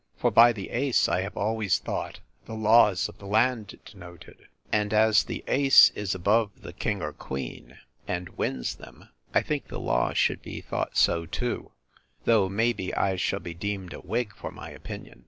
For by the ace I have always thought the laws of the land denoted; and as the ace is above the king or queen, and wins them, I think the law should be thought so too; though, may be, I shall be deemed a Whig for my opinion.